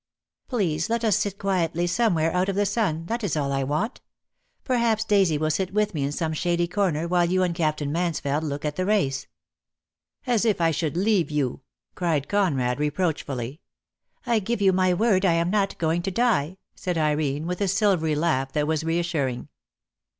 "Please let us sit quietly somewhere, out of the sun. That is all I want. Perhaps Daisy will sit with me in some shady corner while you and Cap tain Mansfeld look at the race." "As if I should leave you!" cried Conrad re proachfully. "I give you my word I am not going to die," said Irene, with a silvery laugh that was re assuring.